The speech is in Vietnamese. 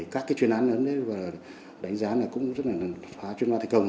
các chuyên án đánh giá cũng rất là phá chuyên án thành công